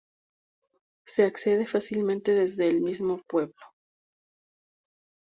Se accede fácilmente desde el mismo pueblo.